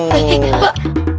eh eh pak